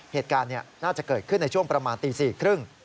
เหตุการณ์น่าจะเกิดขึ้นในช่วงประมาณตี๔๓๐